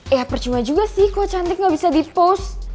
ya percuma juga sih kok cantik gak bisa dipost